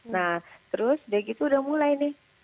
nah terus udah mulai nih